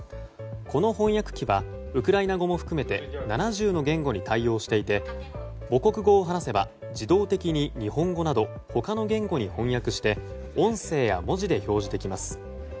この翻訳機はウクライナ語も含めて７０の言語に対応していて母国語を話せば自動的に日本語など他の言語に翻訳して音声や文字で表示できます。